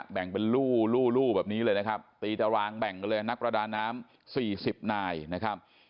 แบ่งเป็นลู่แบบนี้เลยนะครับตีตารางแบ่งกันเลยนักประดาน้ำ๔๐นายนะครับ